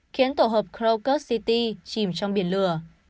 khiến tổ hợp crocus city chìm trong biển lửa